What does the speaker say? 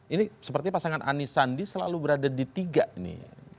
ini seperti pasangan anisandi selalu berada di tiga nih